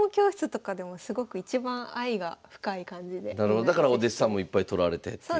なるほどだからお弟子さんもいっぱいとられてっていう。